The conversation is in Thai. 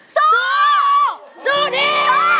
สู้สู้ดี